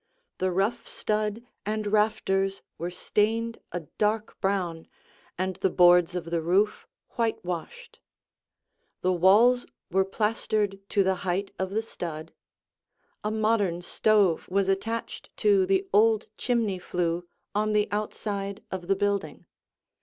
The rough stud and rafters were stained a dark brown, and the boards of the roof whitewashed. The walls were plastered to the height of the stud. A modern stove was attached to the old chimney flue on the outside of the building.